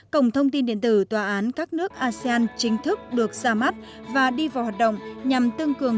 cổng thông tin điện tử tòa án các nước asean chính thức được ra mắt và đi vào hoạt động nhằm tăng cường